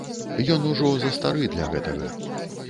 Ён ужо застары для гэтага.